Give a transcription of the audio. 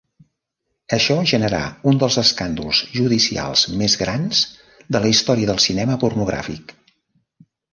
Això generà un dels escàndols judicials més grans de la història del cinema pornogràfic.